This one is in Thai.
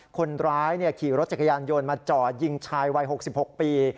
คนร้ายขี่รถจักรยานยนต์มาจ่อยิงชายวัย๖๖ปี